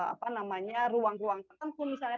apa namanya ruang ruang tertentu misalnya